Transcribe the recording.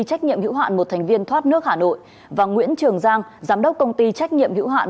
trách nhiệm hữu hạn một thành viên thoát nước hà nội và nguyễn trường giang giám đốc công ty trách nhiệm hữu hạn